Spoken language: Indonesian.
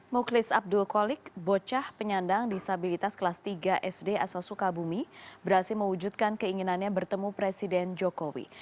mukhlis abdul kolik bocah penyandang disabilitas kelas tiga sd asal sukabumi berhasil mewujudkan keinginannya bertemu presiden jokowi